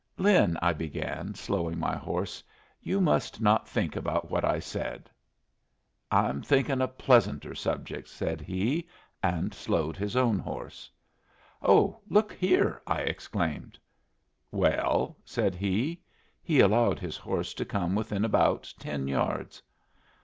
"Lin," I began, slowing my horse, "you must not think about what I said." "I'm thinkin' of pleasanter subjects," said he, and slowed his own horse. "Oh, look here!" I exclaimed. "Well?" said he. He allowed his horse to come within about ten yards.